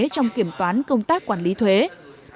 trong kiểm toán công chứng anh quốc acca